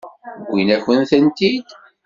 Wwin-akent-tent-id.